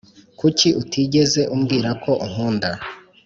Kuki utigeze umbwira ko unkunda